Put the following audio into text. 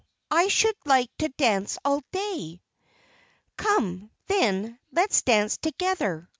I should like to dance all day!" "Come, then, let us dance together.